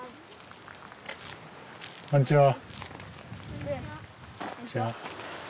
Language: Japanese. こんにちは。